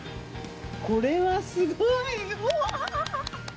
これはすごいうわ。